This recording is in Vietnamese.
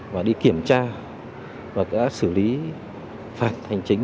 và đi kiểm tra và đã xử lý phạt hành chính